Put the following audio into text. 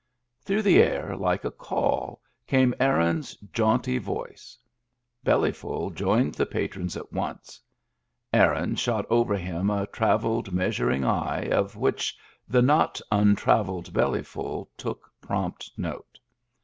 Through the air, like a call, came Aaron's jaunty voice. Bellyful joined the patrons at once. Aaron shot over him a travelled, measuring eye, of which the not untravelled Bellyful took prompt note.